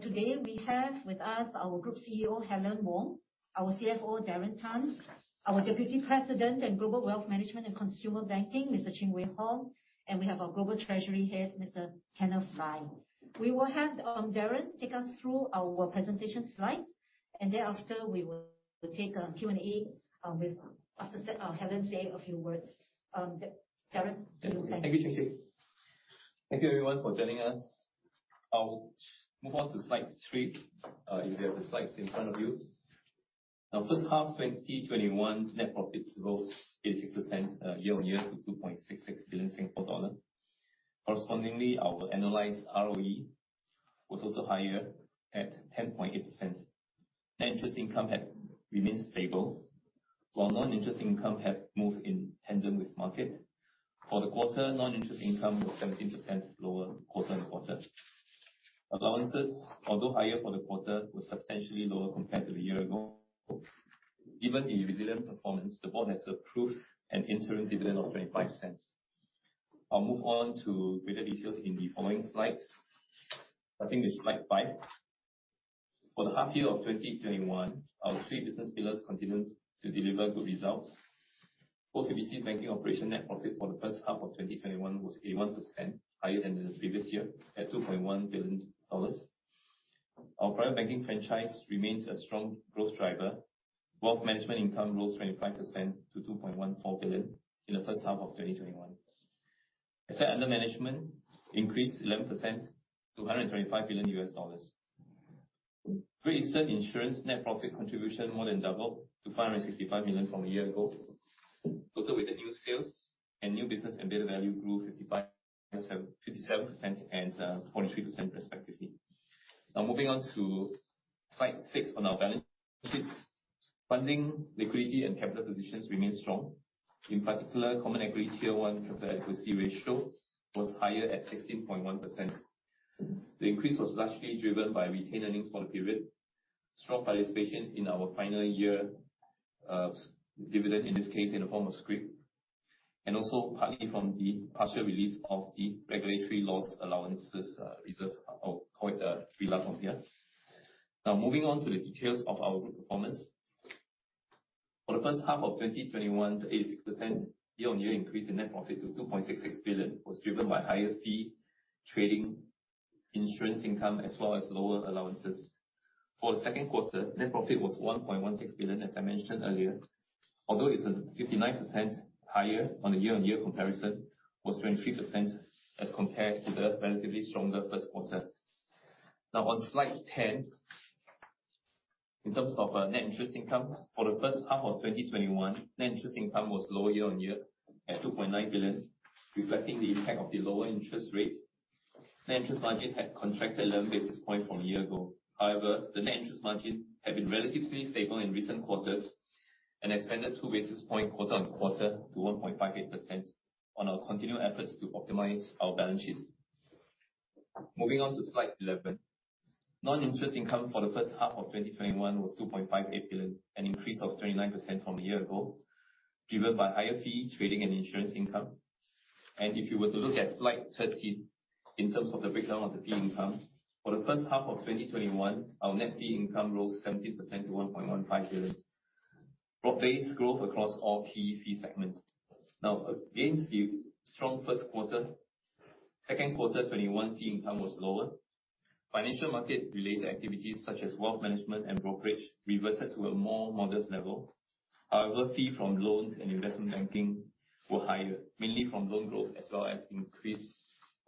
Today we have with us our Group CEO, Helen Wong, our CFO, Darren Tan, our Deputy President and Global Wealth Management and Consumer Banking, Mr. Ching Wei Hong, and we have our Global Treasury Head, Mr. Kenneth Lai. We will have Darren take us through our presentation slides, and thereafter, we will take a Q&A after Helen say a few words. Darren. Thank you, Ching Ching. Thank you everyone for joining us. I'll move on to slide three, if you have the slides in front of you. First half 2021 net profit rose 86% year-on-year to SGD 2.66 billion. Correspondingly, our annualized ROE was also higher at 10.8%. Net interest income had remained stable, while non-interest income had moved in tandem with market. For the quarter, non-interest income was 17% lower quarter-on-quarter. Allowances, although higher for the quarter, were substantially lower compared to a year ago. Given the resilient performance, the board has approved an interim dividend of 0.25. I'll move on to greater details in the following slides, starting with slide five. For the half year of 2021, our three business pillars continued to deliver good results. OCBC banking operation net profit for the first half of 2021 was 81% higher than the previous year at 2.1 billion dollars. Our private banking franchise remains a strong growth driver. Wealth management income rose 25% to 2.14 billion in the first half of 2021. Assets under management increased 11% to $125 billion. Great Eastern Insurance net profit contribution more than doubled to 565 million from a year ago. Total weighted new sales and new business embedded value grew 57% and 43% respectively. Moving on to slide six on our balance sheet. Funding, liquidity, and capital positions remain strong. In particular, common equity Tier 1 capital adequacy ratio was higher at 16.1%. The increase was largely driven by retained earnings for the period, strong participation in our final year of dividend, in this case, in the form of scrip, and also partly from the partial release of the Regulatory Loss Allowance Reserve, I'll call it RLAR, from here. Moving on to the details of our group performance. For the first half of 2021, the 86% year-on-year increase in net profit to 2.66 billion was driven by higher fee, trading, insurance income, as well as lower allowances. For the second quarter, net profit was 1.16 billion, as I mentioned earlier, although it's 59% higher on a year-on-year comparison, was 23% as compared to the relatively stronger first quarter. On slide 10, in terms of net interest income, for the first half of 2021, net interest income was lower year-on-year at 2.9 billion, reflecting the impact of the lower interest rate. Net interest margin had contracted 11 basis points from a year ago. The net interest margin had been relatively stable in recent quarters and expanded 2 basis points quarter-on-quarter to 1.58% on our continued efforts to optimize our balance sheet. Moving on to slide 11. Non-interest income for the first half of 2021 was 2.58 billion, an increase of 29% from a year ago, driven by higher fee, trading, and insurance income. If you were to look at slide 13, in terms of the breakdown of the fee income, for the first half of 2021, our net fee income rose 17% to 1.15 billion. Broad-based growth across all key fee segments. Against the strong first quarter, second quarter 2021 fee income was lower. Financial market-related activities such as wealth management and brokerage reverted to a more modest level. However, fee from loans and investment banking were higher, mainly from loan growth as well as increased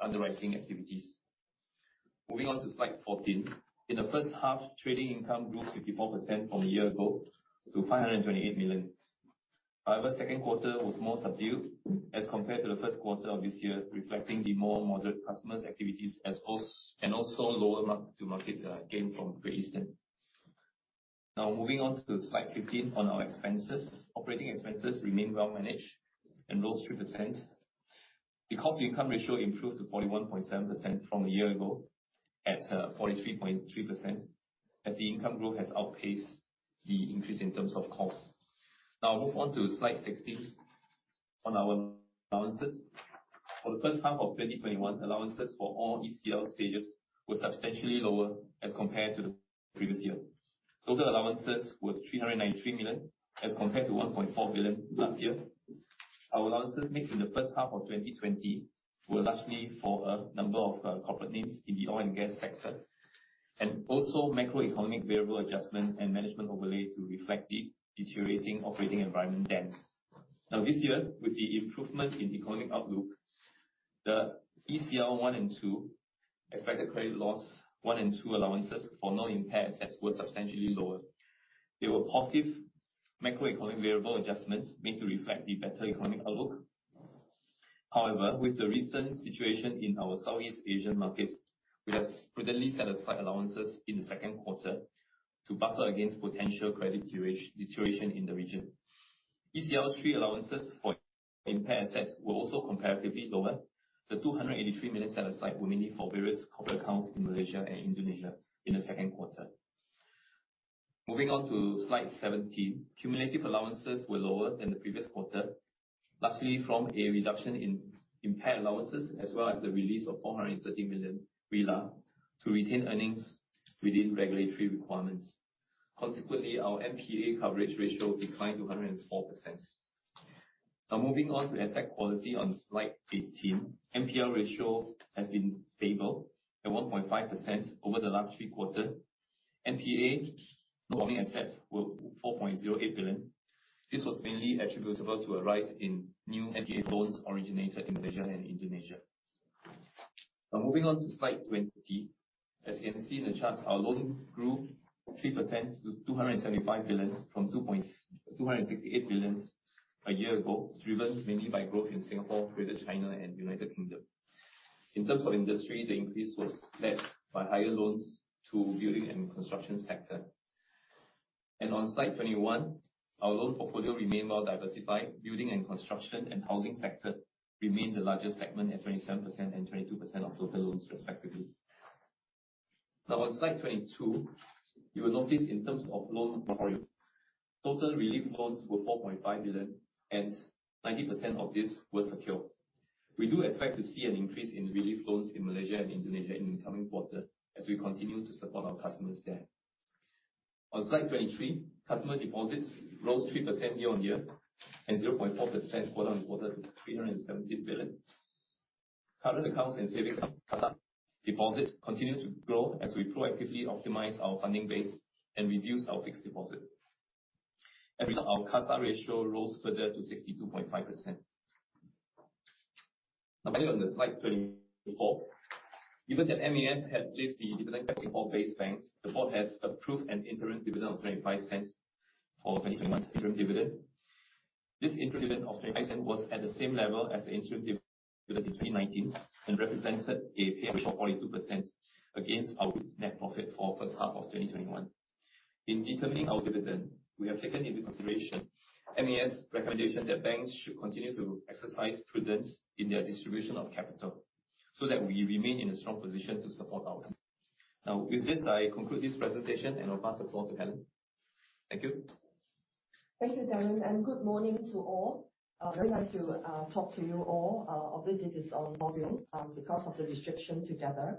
underwriting activities. Moving on to slide 14. In the first half, trading income grew 54% from a year ago to 528 million. However, second quarter was more subdued as compared to the first quarter of this year, reflecting the more moderate customers' activities, and also lower mark-to-market gain from Great Eastern. Moving on to slide 15 on our expenses. Operating expenses remain well managed and rose 3%. The cost-to-income ratio improved to 41.7% from a year ago at 43.3% as the income growth has outpaced the increase in terms of cost. I move on to slide 16 on our allowances. For the first half of 2021, allowances for all ECL stages were substantially lower as compared to the previous year. Total allowances were 393 million as compared to 1.4 billion last year. Our allowances made in the first half of 2020 were largely for a number of corporate names in the oil and gas sector, and also macroeconomic variable adjustments and management overlay to reflect the deteriorating operating environment then. Now this year, with the improvement in economic outlook, the ECL 1 and 2, Expected Credit Loss 1 and 2 allowances for non-impaired assets were substantially lower. There were positive macroeconomic variable adjustments made to reflect the better economic outlook. However, with the recent situation in our Southeast Asian markets, we have prudently set aside allowances in the second quarter to buffer against potential credit deterioration in the region. ECL 3 allowances for impaired assets were also comparatively lower. The 283 million set aside were mainly for various corporate accounts in Malaysia and Indonesia in the second quarter. Moving on to slide 17. Cumulative allowances were lower than the previous quarter, lastly, from a reduction in impaired allowances as well as the release of 430 million to retain earnings within regulatory requirements. Consequently, our NPA coverage ratio declined to 104%. Now moving on to asset quality on slide 18. NPL ratio has been stable at 1.5% over the last three quarters. NPA performing assets were 4.08 billion. This was mainly attributable to a rise in new NPA loans originated in Malaysia and Indonesia. Moving on to slide 20. As you can see in the charts, our loans grew 3% to 275 billion from 268 billion a year ago, driven mainly by growth in Singapore, Greater China and United Kingdom. In terms of industry, the increase was led by higher loans to building and construction sector. On slide 21, our loan portfolio remained well diversified. Building and construction and housing sector remained the largest segment at 27% and 22% of total loans respectively. On slide 22, you will notice in terms of loan total relief loans were 4.5 billion and 90% of this was secured. We do expect to see an increase in relief loans in Malaysia and Indonesia in the coming quarter, as we continue to support our customers there. On slide 23, customer deposits rose 3% year-on-year and 0.4% quarter-on-quarter to 317 billion. Current accounts and savings deposits continue to grow as we proactively optimize our funding base and reduce our fixed deposit. As a result, our CASA ratio rose further to 62.5%. Finally on slide 24. Given that MAS had placed the dividend paying Singapore-based banks, the board has approved an interim dividend of 0.25 for 2021 interim dividend. This interim dividend of 0.25 was at the same level as the interim dividend in 2019 and represented a payout ratio of 42% against our net profit for first half of 2021. In determining our dividend, we have taken into consideration MAS recommendation that banks should continue to exercise prudence in their distribution of capital, so that we remain in a strong position to support our customers. With this, I conclude this presentation, and I'll pass the floor to Helen. Thank you. Thank you, Darren. Good morning to all. Very nice to talk to you all, albeit it is on virtual, because of the restriction together.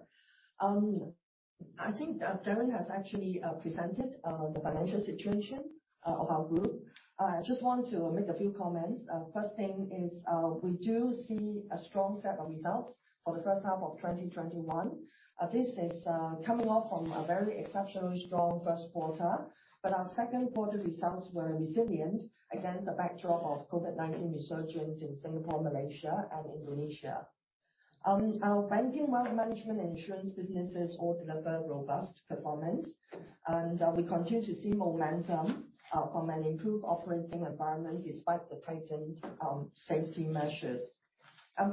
I think that Darren has actually presented the financial situation of our group. I just want to make a few comments. First thing is, we do see a strong set of results for the first half of 2021. This is coming off from a very exceptionally strong first quarter. Our second quarter results were resilient against the backdrop of COVID-19 resurgence in Singapore, Malaysia and Indonesia. Our banking, wealth management and insurance businesses all delivered robust performance. We continue to see momentum from an improved operating environment despite the tightened safety measures.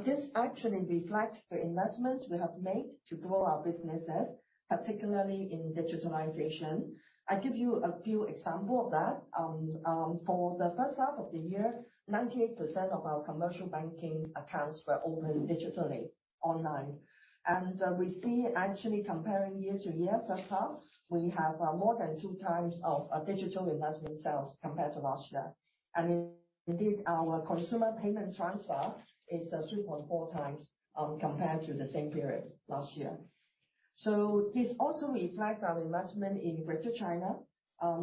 This actually reflects the investments we have made to grow our businesses, particularly in digitalization. I give you a few example of that. For the first half of the year, 98% of our commercial banking accounts were opened digitally online. We see actually comparing year to year, first half, we have more than two times of digital investment sales compared to last year. Indeed, our consumer payment transfer is 3.4x, compared to the same period last year. This also reflects our investment in Greater China.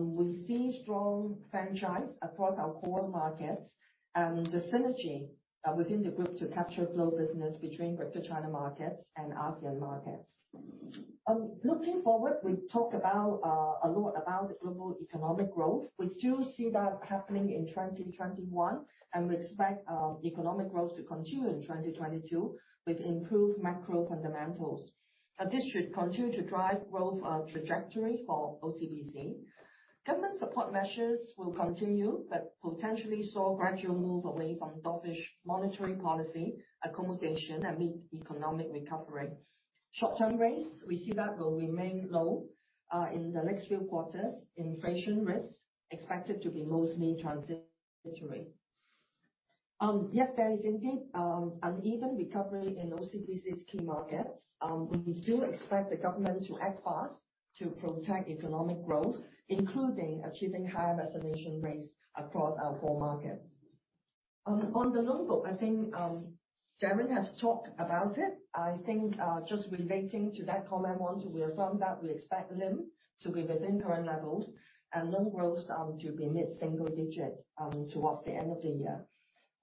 We see strong franchise across our core markets and the synergy within the group to capture flow business between Greater China markets and ASEAN markets. Looking forward, we talk about, a lot about global economic growth. We do see that happening in 2021, and we expect economic growth to continue in 2022 with improved macro fundamentals. This should continue to drive growth trajectory for OCBC. Government support measures will continue, but potentially saw gradual move away from dovish monetary policy accommodation amid economic recovery. Short-term rates, we see that will remain low in the next few quarters. Inflation risks expected to be mostly transitory. There is indeed uneven recovery in OCBC's key markets. We do expect the government to act fast to protect economic growth, including achieving higher vaccination rates across our core markets. On the loan book, I think Darren has talked about it. I think just relating to that comment, want to reaffirm that we expect NIM to be within current levels and loan growth to be mid-single digit towards the end of the year.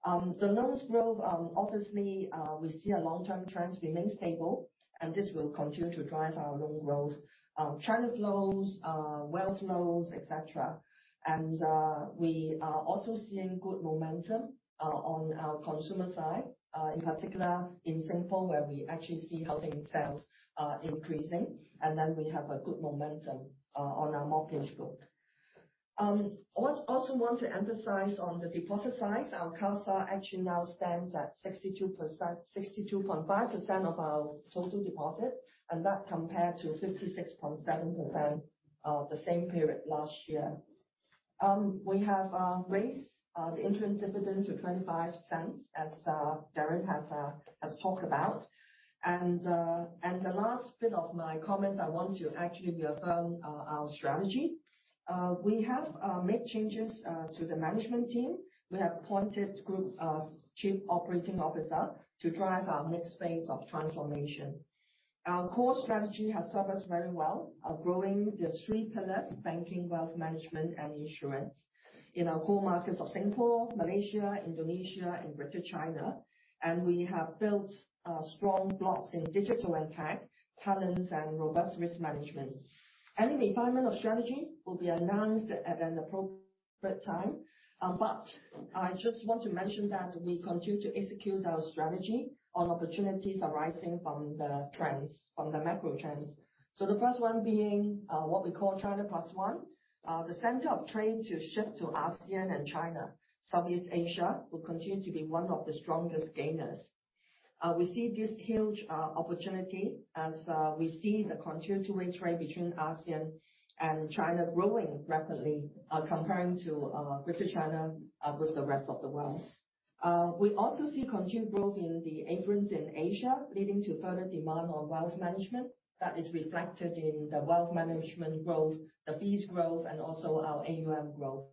The loans growth, obviously, we see a long-term trend remain stable, and this will continue to drive our loan growth. China's loans, wealth loans, et cetera. We are also seeing good momentum on our consumer side, in particular in Singapore where we actually see housing sales increasing. We have a good momentum on our mortgage book. We want to emphasize on the deposit side, our CASA actually now stands at 62.5% of our total deposit, and that compared to 56.7% the same period last year. We have raised the interim dividend to 0.25, as Darren has talked about. The last bit of my comments, I want to actually reaffirm our strategy. We have made changes to the management team. We have appointed Group Chief Operating Officer to drive our next phase of transformation. Our core strategy has served us very well of growing the three pillars: banking, wealth management, and insurance in our core markets of Singapore, Malaysia, Indonesia, and Greater China. We have built strong blocks in digital and tech, talents, and robust risk management. Any refinement of strategy will be announced at an appropriate time. I just want to mention that we continue to execute our strategy on opportunities arising from the trends, from the macro trends. The first one being what we call China Plus One. The center of trade to shift to ASEAN and China. Southeast Asia will continue to be one of the strongest gainers. We see this huge opportunity as we see the continued two-way trade between ASEAN and China growing rapidly comparing to Greater China with the rest of the world. We also see continued growth in the affluence in Asia, leading to further demand on Wealth Management. That is reflected in the Wealth Management growth, the fees growth, and also our AUM growth.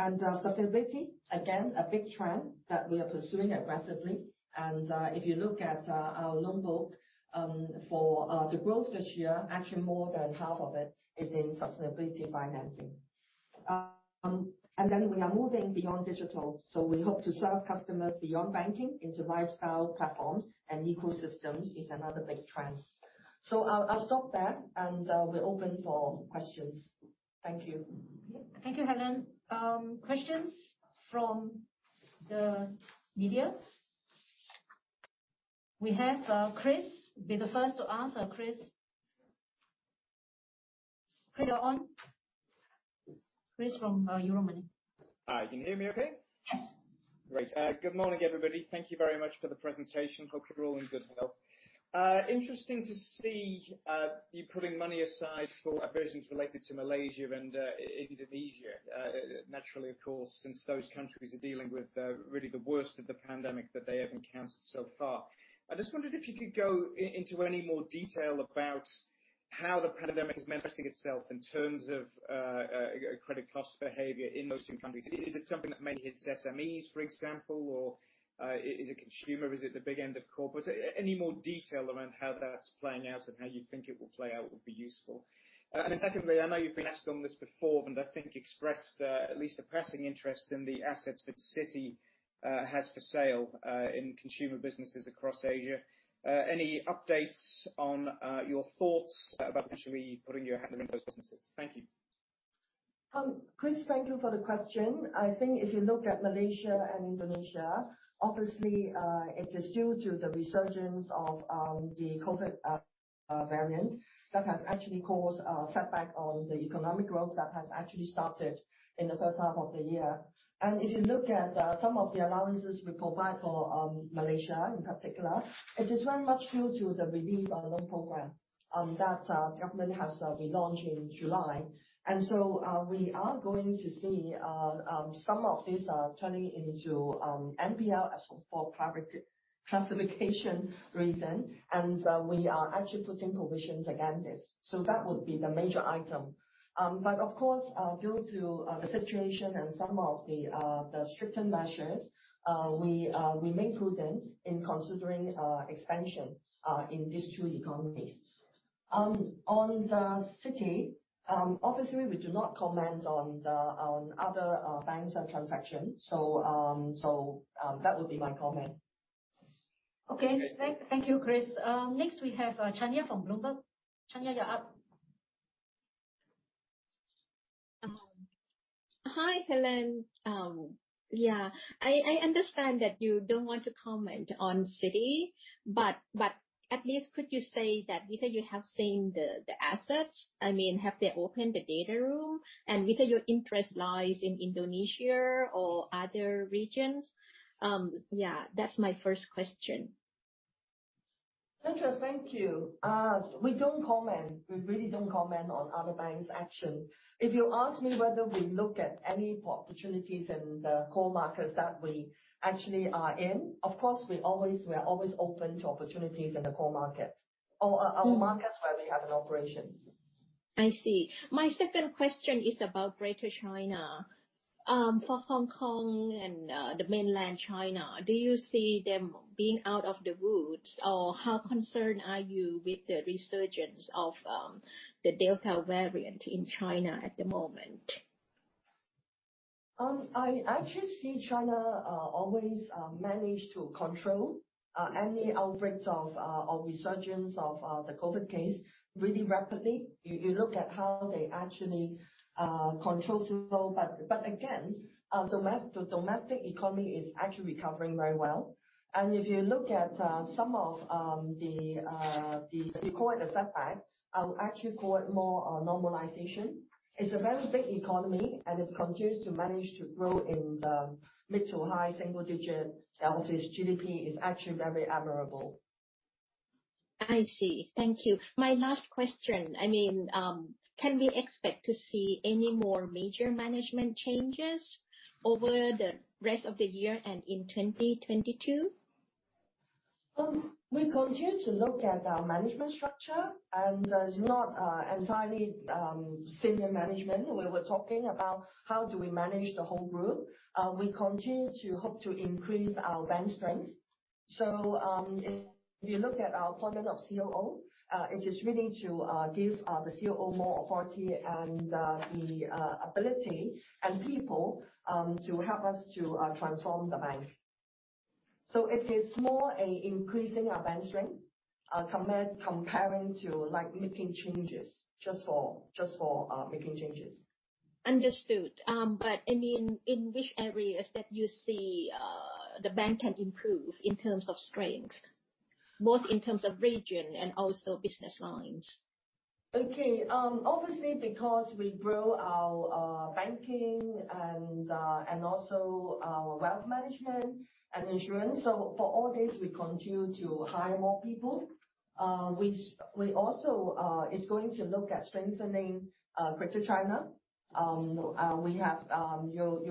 Sustainability, again, a big trend that we are pursuing aggressively. If you look at our loan book, for the growth this year, actually more than half of it is in sustainability financing. We are moving beyond digital. We hope to serve customers beyond banking into lifestyle platforms and ecosystems is another big trend. I'll stop there and we're open for questions. Thank you. Thank you, Helen. Questions from the media. We have Chris be the first to ask. Chris? Chris, you're on. Chris from Euromoney. Hi, can you hear me okay? Yes. Great. Good morning, everybody. Thank you very much for the presentation. Hope you're all in good health. Interesting to see you putting money aside for adversity related to Malaysia and Indonesia. Naturally, of course, since those countries are dealing with really the worst of the pandemic that they have encountered so far. I just wondered if you could go into any more detail about how the pandemic is manifesting itself in terms of credit cost behavior in those two countries. Is it something that mainly hits SMEs, for example, or is it consumer, is it the big end of corporate? Any more detail around how that's playing out and how you think it will play out would be useful. Secondly, I know you've been asked on this before, and I think expressed at least a passing interest in the assets that Citi has for sale in consumer businesses across Asia. Any updates on your thoughts about potentially putting your hat into those businesses? Thank you. Chris, thank you for the question. I think if you look at Malaysia and Indonesia, obviously, it is due to the resurgence of the COVID variant that has actually caused a setback on the economic growth that has actually started in the first half of the year. If you look at some of the allowances we provide for Malaysia in particular, it is very much due to the relief loan program that government has relaunched in July. So we are going to see some of these turning into NPLs for classification reason. We are actually putting provisions against this. That would be the major item. Of course, due to the situation and some of the stricter measures, we remain prudent in considering expansion in these two economies. On the Citi, obviously, we do not comment on other banks and transactions. That would be my comment. Okay. Thank you, Chris. Next we have Chanya from Bloomberg. Chanya, you're up. Hi, Helen. I understand that you don't want to comment on Citi, at least could you say that whether you have seen the assets, have they opened the data room? Whether your interest lies in Indonesia or other regions? That's my first question. Chanya, thank you. We don't comment. We really don't comment on other banks' action. If you ask me whether we look at any opportunities in the core markets that we actually are in, of course, we are always open to opportunities in the core markets or markets where we have an operation. I see. My second question is about Greater China. For Hong Kong and the mainland China, do you see them being out of the woods, or how concerned are you with the resurgence of the Delta variant in China at the moment? I just see China always manage to control any outbreaks of resurgence of the COVID case really rapidly. You look at how they actually control through. The domestic economy is actually recovering very well. If you look at some of the you call it a setback, I would actually call it more a normalization. It's a very big economy, and it continues to manage to grow in the mid to high single digit. Obviously its GDP is actually very admirable. I see. Thank you. My last question, can we expect to see any more major management changes over the rest of the year and in 2022? We continue to look at our management structure. It is not entirely senior management. We were talking about how do we manage the whole group. We continue to hope to increase our bench strength. If you look at our appointment of COO, it is really to give the COO more authority and the ability and people to help us to transform the bank. It is more increasing our bench strength, comparing to making changes just for making changes. Understood. In which areas that you see the bank can improve in terms of strength, both in terms of region and also business lines? Obviously, because we grow our banking and also our wealth management and insurance, for all this, we continue to hire more people. We also is going to look at strengthening Greater China. You're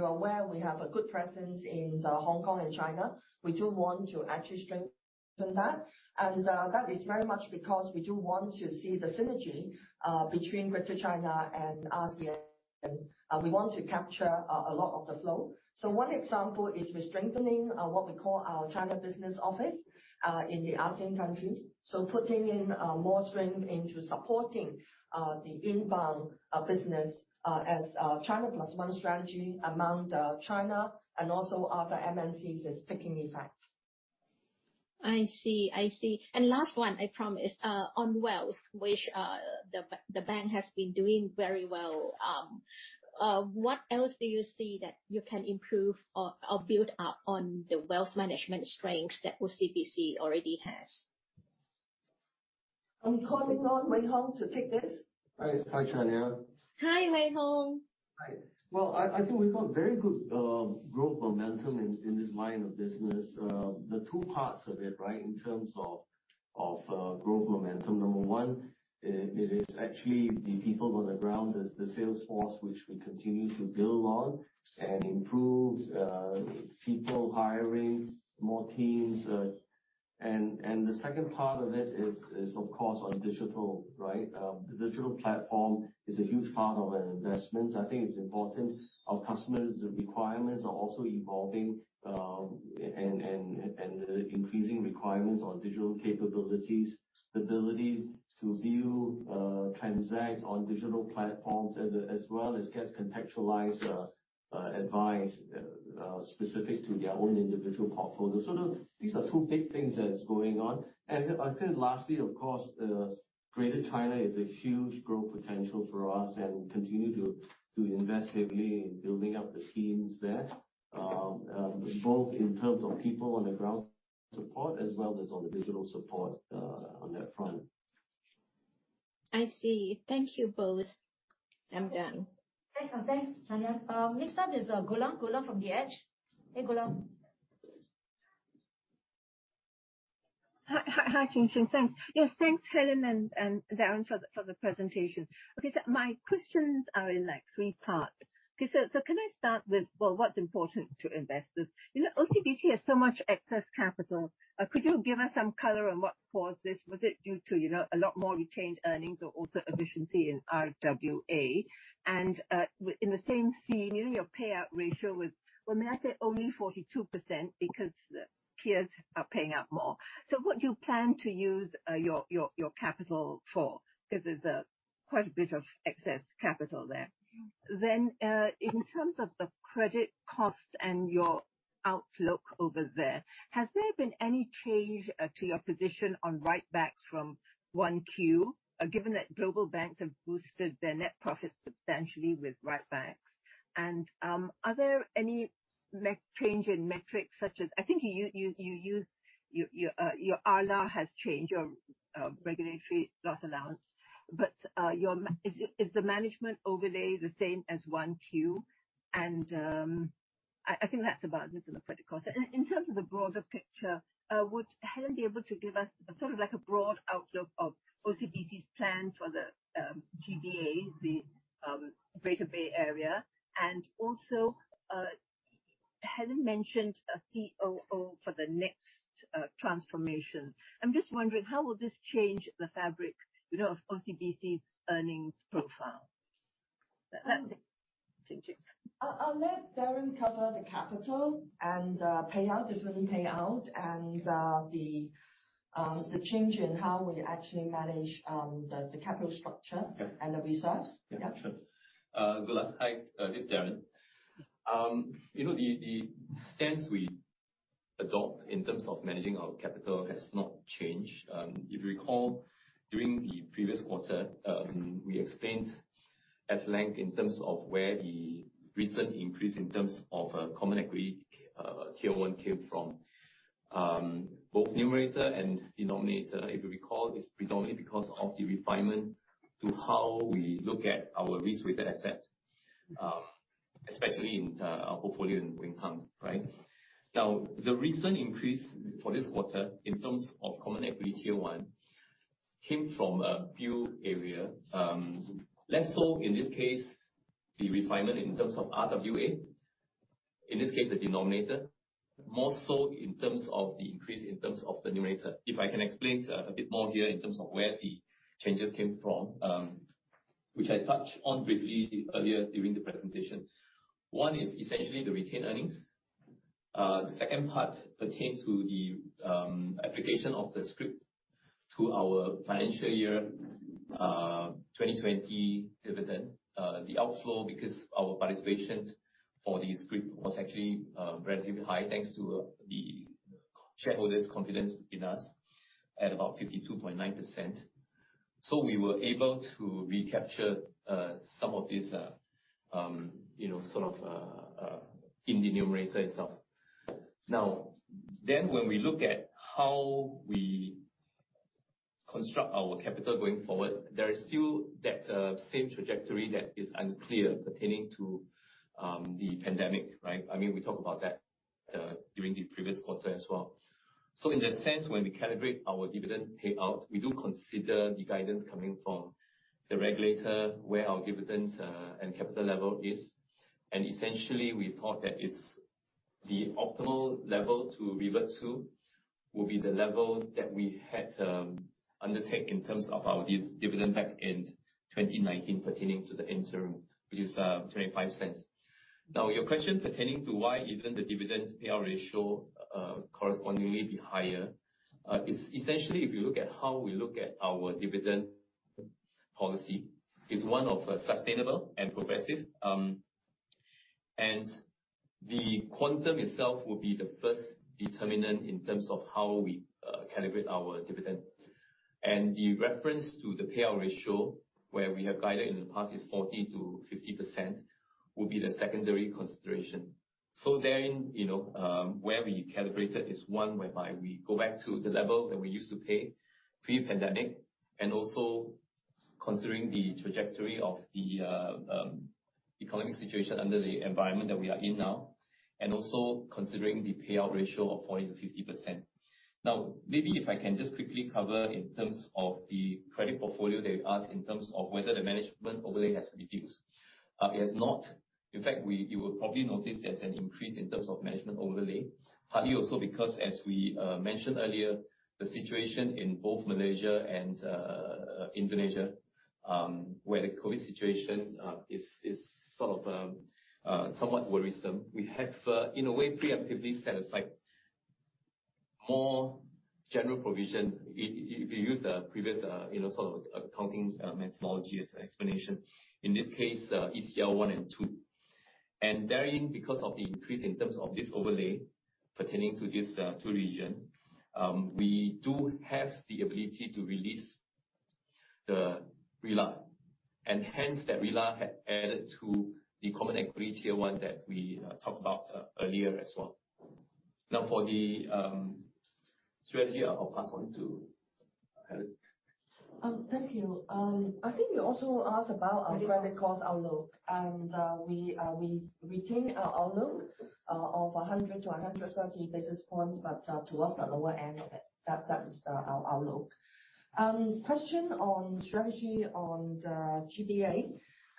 aware we have a good presence in Hong Kong and China. We do want to actually strengthen that. That is very much because we do want to see the synergy between Greater China and ASEAN. We want to capture a lot of the flow. One example is we're strengthening what we call our China Business Office in the ASEAN countries. Putting in more strength into supporting the inbound business as China Plus One strategy among the China and also other MNCs is taking effect. I see. Last one, I promise. On wealth, which the bank has been doing very well, what else do you see that you can improve or build up on the wealth management strengths that OCBC already has? I'm calling on Wei Hong to take this. Hi, Chanya. Hi, Wei Hong. Hi. Well, I think we've got very good growth momentum in this line of business. The two parts of it, right, in terms of growth momentum. Number one, it is actually the people on the ground as the sales force, which we continue to build on and improve people hiring more teams. The second part of it is, of course, on digital, right? The digital platform is a huge part of our investments. I think it's important. Our customers' requirements are also evolving and the increasing requirements on digital capabilities, the ability to view, transact on digital platforms, as well as get contextualized advice specific to their own individual portfolio. These are two big things that is going on. I think lastly, of course, Greater China is a huge growth potential for us, and we continue to invest heavily in building up the schemes there, both in terms of people on the ground support as well as on the digital support on that front. I see. Thank you both. I'm done. Thanks. Next up is Goola. Goola from The Edge. Hey, Goola. Hi, Ching Ching. Thanks. Yes, thanks, Helen and Darren for the presentation. My questions are in three parts. Can I start with, what's important to investors? OCBC has so much excess capital. Could you give us some color on what caused this? Was it due to a lot more retained earnings or also efficiency in RWA? In the same theme, your payout ratio was, well, may I say only 42% because peers are paying out more. What do you plan to use your capital for? Because there's quite a bit of excess capital there. In terms of the credit cost and your outlook over there, has there been any change to your position on write-backs from 1Q, given that global banks have boosted their net profit substantially with write-backs? Are there any change in metrics such as I think your RLAR has changed, your regulatory loss allowance. Is the management overlay the same as 1Q? I think that's about it in the credit cost. In terms of the broader picture, would Helen be able to give us sort of like a broad outlook of OCBC's plan for the GBA, the Greater Bay Area? Also, Helen mentioned a COO for the next transformation. I'm just wondering, how will this change the fabric of OCBC's earnings profile? Thank you. I'll let Darren cover the capital and different payout and the change in how we actually manage the capital structure. Yeah. The reserves. Yeah. Sure. Goola, hi. It's Darren. The stance we adopt in terms of managing our capital has not changed. If you recall, during the previous quarter, we explained at length in terms of where the recent increase in terms of common equity Tier 1 came from. Both numerator and denominator, if you recall, is predominantly because of the refinement to how we look at our risk-weighted assets. Especially in the portfolio in Wing Hang. Now, the recent increase for this quarter in terms of common equity Tier 1 came from a few areas. Less so in this case, the refinement in terms of RWA, in this case, the denominator, more so in terms of the increase in terms of the numerator. If I can explain a bit more here in terms of where the changes came from, which I touched on briefly earlier during the presentation. One is essentially the retained earnings. The second part pertains to the application of the scrip to our financial year 2020 dividend. The outflow because our participation for the scrip was actually relatively high, thanks to the shareholders' confidence in us at about 52.9%. We were able to recapture some of this in the numerator itself. When we look at how we construct our capital going forward, there is still that same trajectory that is unclear pertaining to the pandemic. We talked about that during the previous quarter as well. In that sense, when we calibrate our dividend payout, we do consider the guidance coming from the regulator where our dividends and capital level is. Essentially, we thought that is the optimal level to revert to will be the level that we had to undertake in terms of our dividend back in 2019 pertaining to the interim, which is 0.25. Your question pertaining to why isn't the dividend payout ratio correspondingly higher is essentially if you look at how we look at our dividend policy, is one of sustainable and progressive. The quantum itself will be the first determinant in terms of how we calibrate our dividend. The reference to the payout ratio, where we have guided in the past is 40%-50%, will be the secondary consideration. Therein, where we calibrated is one whereby we go back to the level that we used to pay pre-pandemic, and also considering the trajectory of the economic situation under the environment that we are in now, and also considering the payout ratio of 40%-50%. Maybe if I can just quickly cover in terms of the credit portfolio that you asked in terms of whether the management overlay has reduced. It has not. In fact, you will probably notice there's an increase in terms of management overlay, partly also because as we mentioned earlier, the situation in both Malaysia and Indonesia, where the COVID situation is somewhat worrisome. We have, in a way, preemptively set aside more general provision. If you use the previous accounting methodology as an explanation. In this case, ECL 1 and 2. Therein, because of the increase in terms of this overlay pertaining to these two regions, we do have the ability to release the RLAR, and hence that RLAR had added to the common equity Tier 1 that we talked about earlier as well. Now for the strategy, I'll pass on to Helen. Thank you. I think you also asked about our credit cost outlook, and we retain our outlook of 100-130 basis points, but towards the lower end. That is our outlook. Question on strategy on the GBA,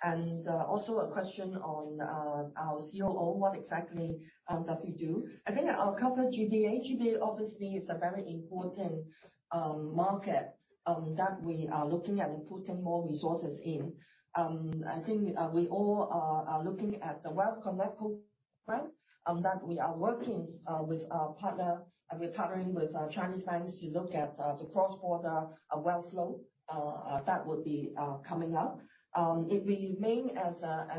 and also a question on our COO, what exactly does he do. I think I'll cover GBA. GBA obviously is a very important market that we are looking at and putting more resources in. I think we all are looking at the Wealth Connect program that we are working with our partner, and we're partnering with Chinese banks to look at the cross-border wealth flow that would be coming up. It remains as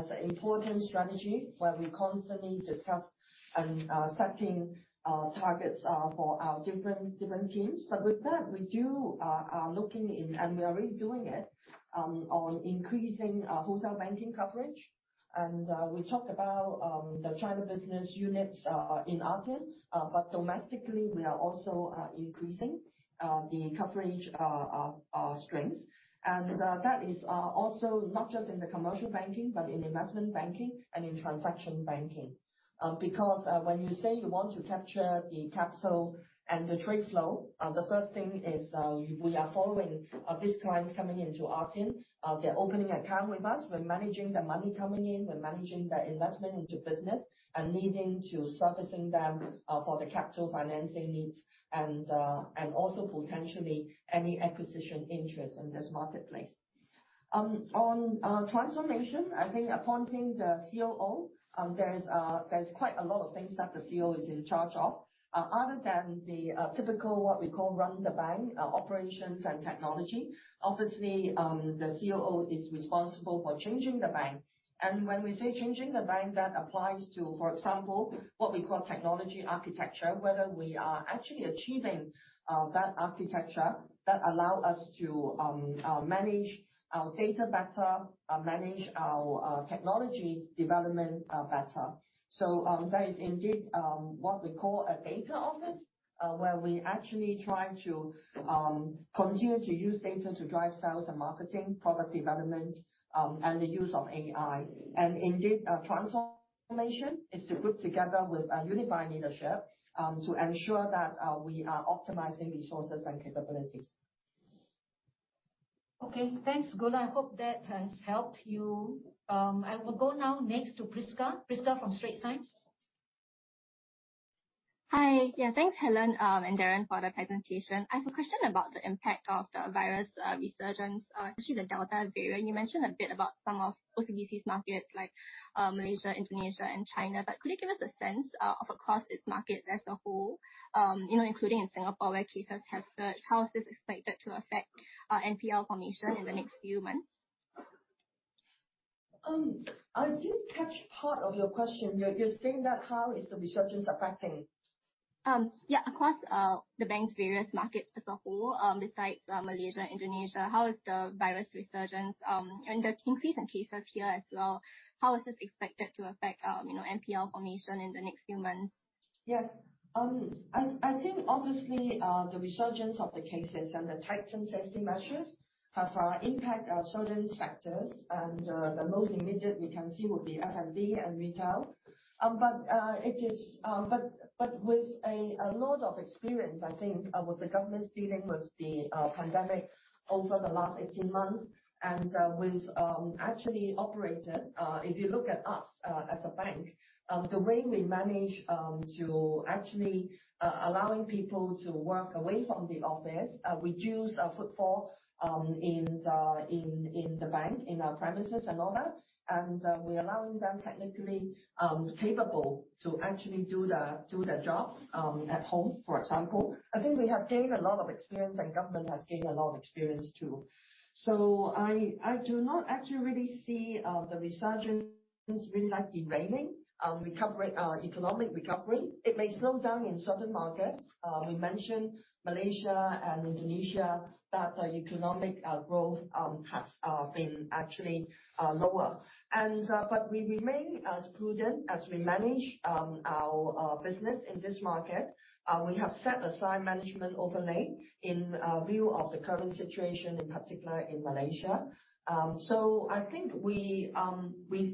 an important strategy where we constantly discuss and are setting targets for our different teams. With that, we are looking in, and we are already doing it, on increasing our wholesale banking coverage. We talked about the China Business units in ASEAN, but domestically, we are also increasing the coverage of our strengths. That is also not just in the commercial banking, but in investment banking and in transaction banking. When you say you want to capture the capital and the trade flow, the first thing is we are following these clients coming into ASEAN. They're opening account with us. We're managing their money coming in, we're managing their investment into business and needing to servicing them for the capital financing needs and also potentially any acquisition interest in this marketplace. On transformation, I think appointing the COO, there's quite a lot of things that the COO is in charge of. Other than the typical what we call run the bank, operations and technology. Obviously, the COO is responsible for changing the bank. When we say changing the bank, that applies to, for example, what we call technology architecture, whether we are actually achieving that architecture that allow us to manage our data better, manage our technology development better. That is indeed what we call a data office, where we actually try to continue to use data to drive sales and marketing, product development, and the use of AI. Indeed, transformation is to group together with a unified leadership to ensure that we are optimizing resources and capabilities. Okay. Thanks, Goola. I hope that has helped you. I will go now next to Prisca. Prisca from The Straits Times. Hi. Yeah, thanks, Helen and Darren, for the presentation. I have a question about the impact of the virus resurgence, especially the Delta variant. You mentioned a bit about some of OCBC's markets like Malaysia, Indonesia, and China, but could you give us a sense of across its markets as a whole, including in Singapore, where cases have surged? How is this expected to affect NPL formation in the next few months? I did catch part of your question. You're saying that how is the resurgence affecting? Yeah. Across the bank's various markets as a whole, besides Malaysia and Indonesia, how is the virus resurgence and the increase in cases here as well, how is this expected to affect NPL formation in the next few months? Yes. I think obviously, the resurgence of the cases and the tightened safety measures have impact certain sectors. The most immediate we can see would be F&B and retail. With a lot of experience, I think, with the governments dealing with the pandemic over the last 18 months and with actually operators, if you look at us as a bank, the way we manage to actually allowing people to work away from the office, reduce footfall in the bank, in our premises and all that, and we're allowing them technically capable to actually do their jobs at home, for example. I think we have gained a lot of experience and government has gained a lot of experience, too. I do not actually really see the resurgence really derailing our economic recovery. It may slow down in certain markets. We mentioned Malaysia and Indonesia, that economic growth has been actually lower. We remain as prudent as we manage our business in this market. We have set aside management overlay in view of the current situation, in particular in Malaysia. I think we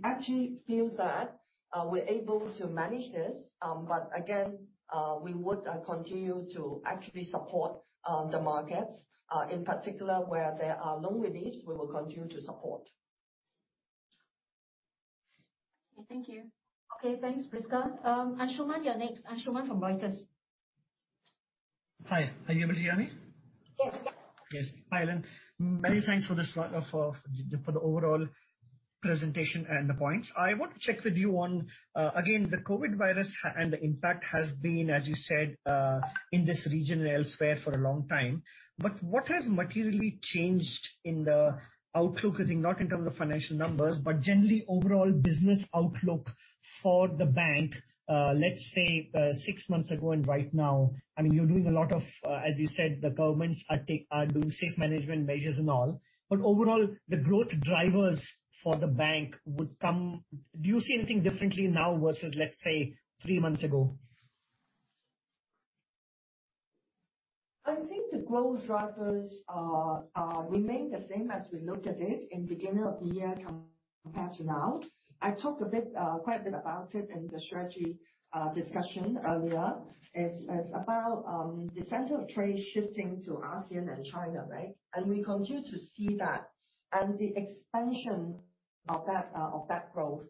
actually feel that we're able to manage this. Again, we would continue to actually support the markets, in particular where there are loan reliefs, we will continue to support. Okay, thank you. Okay, thanks, Prisca. Anshuman, you're next. Anshuman from Reuters. Hi, are you able to hear me? Yes. Yes. Hi, Helen. Many thanks for the overall presentation and the points. I want to check with you on, again, the COVID virus and the impact has been, as you said, in this region and elsewhere for a long time. What has materially changed in the outlook, I think not in terms of financial numbers, but generally overall business outlook for the bank, let's say, six months ago and right now. I mean, you're doing a lot of, as you said, the governments are doing safe management measures and all. Overall, the growth drivers for the bank would come Do you see anything differently now versus, let's say, three months ago? I think the growth drivers remain the same as we looked at it in beginning of the year compared to now. I talked quite a bit about it in the strategy discussion earlier. It's about the center of trade shifting to ASEAN and China, right? We continue to see that and the expansion of that growth.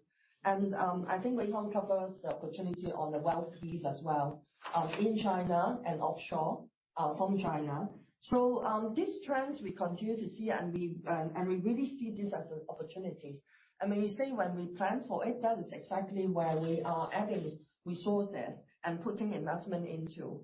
I think Wei Hong covers the opportunity on the wealth piece as well, in China and offshore from China. These trends we continue to see and we really see this as an opportunity. When you say when we plan for it, that is exactly where we are adding resources and putting investment into.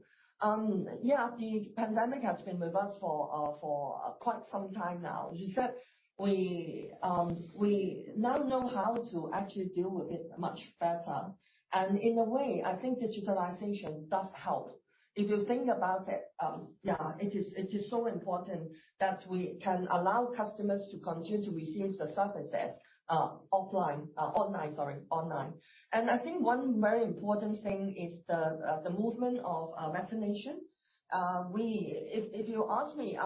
Yeah, the pandemic has been with us for quite some time now. As you said, we now know how to actually deal with it much better. In a way, I think digitalization does help. If you think about it, yeah, it is so important that we can allow customers to continue to receive the services offline, online, sorry, online. I think one very important thing is the movement of vaccination. If you ask me,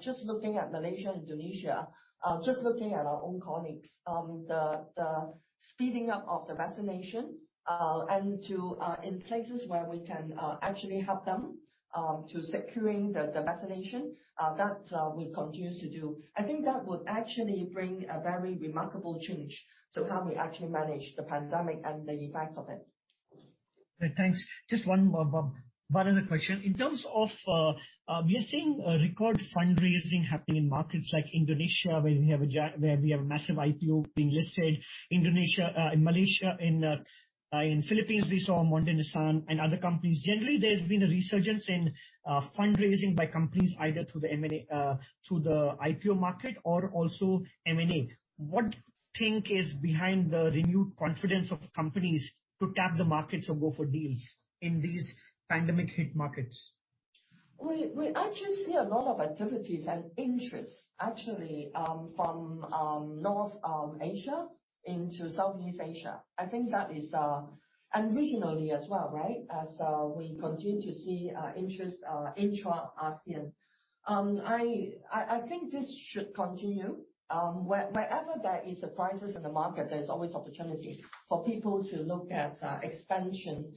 just looking at Malaysia, Indonesia, just looking at our own colleagues, the speeding up of the vaccination, and in places where we can actually help them to securing the vaccination, that we continue to do. I think that would actually bring a very remarkable change to how we actually manage the pandemic and the impact of it. Right. Thanks. Just one other question. In terms of, we are seeing record fundraising happening in markets like Indonesia, where we have a massive IPO being listed. Indonesia, in Malaysia, in Philippines, we saw Monde Nissin and other companies. Generally, there's been a resurgence in fundraising by companies, either through the IPO market or also M&A. What do you think is behind the renewed confidence of companies to tap the markets or go for deals in these pandemic-hit markets? We actually see a lot of activities and interest, actually, from North Asia into Southeast Asia. Regionally as well, right? As we continue to see interest intra-ASEAN. I think this should continue. Wherever there is a crisis in the market, there's always opportunity for people to look at expansion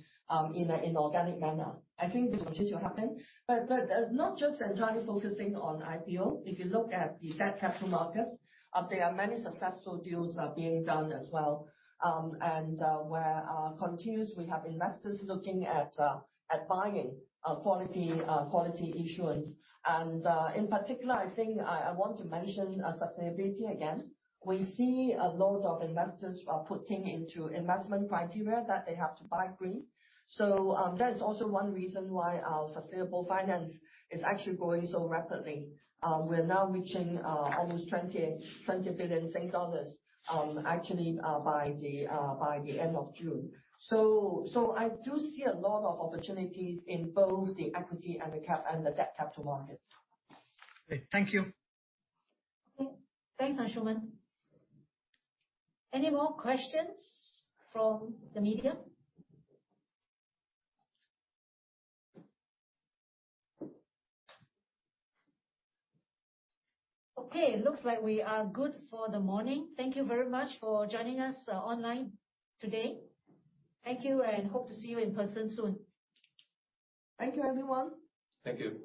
in organic manner. I think this will continue to happen. Not just entirely focusing on IPO. If you look at the debt capital markets, there are many successful deals being done as well, and where continues, we have investors looking at buying quality issuance. In particular, I think I want to mention sustainability again. We see a lot of investors are putting into investment criteria that they have to buy green. That is also one reason why our sustainable finance is actually growing so rapidly. We're now reaching almost 20 billion Sing dollars actually by the end of June. I do see a lot of opportunities in both the equity and the debt capital markets. Great. Thank you. Okay. Thanks, Anshuman. Any more questions from the media? Okay, looks like we are good for the morning. Thank you very much for joining us online today. Thank you, and hope to see you in person soon. Thank you, everyone. Thank you.